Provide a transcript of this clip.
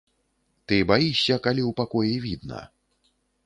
Ты баішся, калі ў пакоі відна.